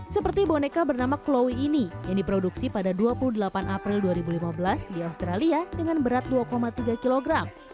seperti boneka bernama chlowi ini yang diproduksi pada dua puluh delapan april dua ribu lima belas di australia dengan berat dua tiga kg